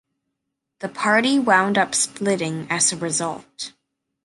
The party wound up splitting as a result.